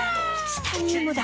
チタニウムだ！